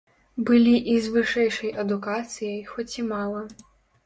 Былі і з вышэйшай адукацыяй, хоць і мала.